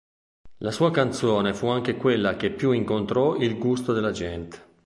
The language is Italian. La sua canzone fu anche quella che più incontrò il gusto della gente.